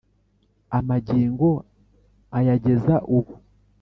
amagingo ayageza ubu.